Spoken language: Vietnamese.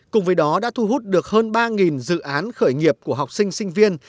cùng với đó đã thu hút được hơn ba dự án khởi nghiệp của học sinh sinh viên